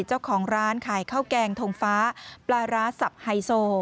เจ้าของร้านขายข้าวแกงทงฟ้าปลาร้าสับไฮโซ